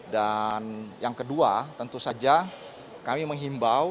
dan yang kedua tentu saja kami menghimbau